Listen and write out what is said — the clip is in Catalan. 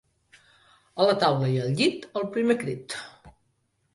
A la taula i al llit, al primer crit!